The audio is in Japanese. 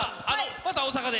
また大阪で。